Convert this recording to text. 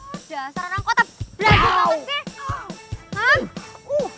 udah saran kau tak berani